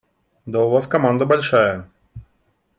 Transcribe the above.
– Да у вас команда большая.